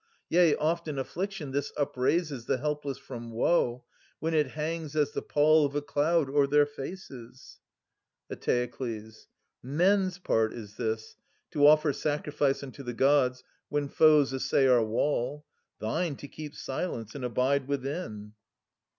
Yea, oft in affliction this upraises The helpless from woe, when it hangs as the pall Of a cloud o'er their faces. Eteokles. Men's part is this, to offer sacrifice 230 Unto the Gods, when foes essay our wall ; Thine, to keep silence, and abide within.